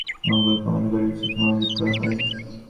ঈদের জামাতে দেশ ও জনগণের মঙ্গল কামনা করে বিশেষ মোনাজাত করা হয়।